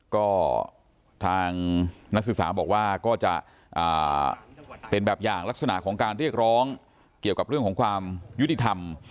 ก็ทางนักศึกษาบอกว่าก็จะเป็นแบบอย่างลักษณะของการเรียกร้องเกี่ยวกับเรื่องของความยุติธรรม